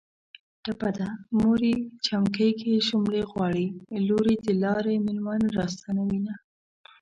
ټپه ده.: موریې جمکی کې شوملې غواړي ــــ لوریې د لارې مېلمانه را ستنوینه